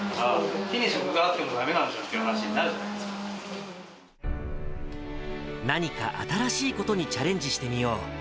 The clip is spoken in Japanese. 手に職があってもだめなんだとい何か新しいことにチャレンジしてみよう。